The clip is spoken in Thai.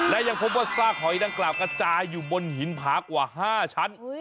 และยังพบว่าซากหอยดังกล่าวกระจายอยู่บนหินผากว่า๕ชั้น